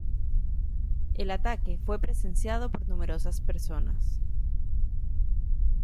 El ataque fue presenciado por numerosas personas.